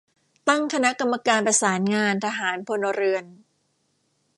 ตั้งคณะกรรมการประสานงานทหาร-พลเรือน